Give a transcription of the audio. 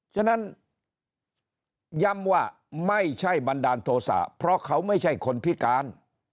ฉะนั้นย้ำว่าไม่ใช่บันดาลโทษะเพราะเขาไม่ใช่คนพิการ